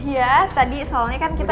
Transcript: ya tadi soalnya kan kita